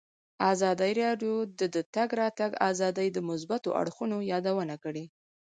ازادي راډیو د د تګ راتګ ازادي د مثبتو اړخونو یادونه کړې.